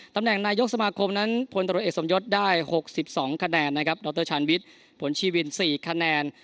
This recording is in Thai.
ตำแหน่งนายกสมาคมนั้นพลตรวจเอกสมยศได้๖๒คะแนนนะครับดรชาญวิทย์ผลชีวิน๔คะแนน